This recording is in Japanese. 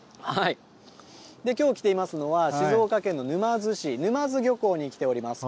きょう来ていますのは、静岡県の沼津市、沼津漁港に来ております。